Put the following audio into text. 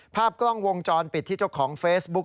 ภาพกล้องวงจรปิดที่เจ้าของเฟซบุ๊ก